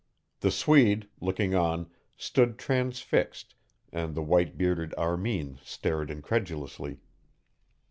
The Swede, looking on, stood transfixed, and the white bearded Armin stared incredulously.